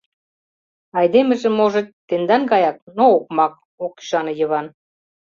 — Айдемыже, можыт, тендан гаяк, но окмак, — ок ӱшане Йыван.